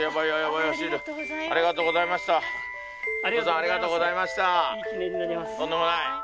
ありがとうございます。